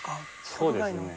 そうですね。